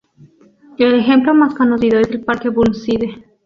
El ejemplo más conocido es el Parque Burnside.